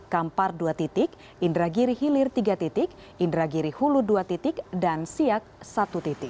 kampar dua titik indragiri hilir tiga titik indragiri hulu dua titik dan siak satu titik